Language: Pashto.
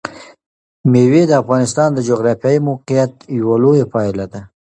مېوې د افغانستان د جغرافیایي موقیعت یوه لویه پایله ده.